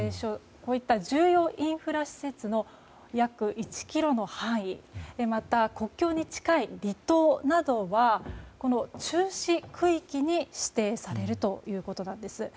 こういった重要インフラ施設の約１ｋｍの範囲また、国境に近い離島などは注視区域に指定されるんです。